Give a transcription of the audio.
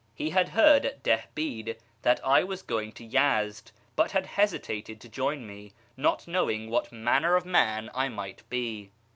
He had heard at Dihbid that I was going to Yezd, but had hesitated to join me, not knowing what manner of man I might be.